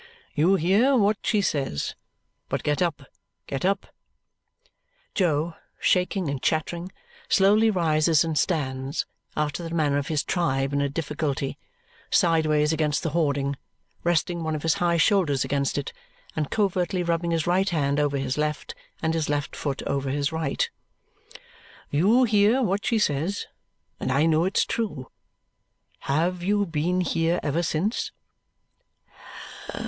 "You hear what she says. But get up, get up!" Jo, shaking and chattering, slowly rises and stands, after the manner of his tribe in a difficulty, sideways against the hoarding, resting one of his high shoulders against it and covertly rubbing his right hand over his left and his left foot over his right. "You hear what she says, and I know it's true. Have you been here ever since?"